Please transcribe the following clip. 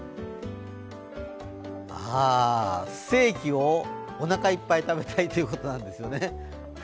あステーキをおなかいっぱい食べたいということなんですね。